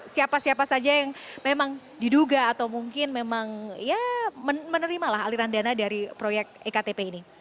siapa siapa saja yang memang diduga atau mungkin memang ya menerimalah aliran dana dari proyek ektp ini